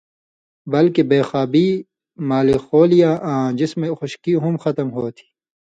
بلکہ بے خوابی، مالیخولیا آں جسمَیں خشکی ہُم ختم ہوتھی۔